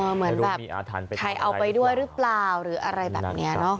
เหมือนแบบใครเอาไปด้วยหรือเปล่าหรืออะไรแบบนี้เนอะ